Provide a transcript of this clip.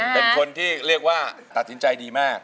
เป็นคนที่เรียกว่าตัดสินใจดีมาก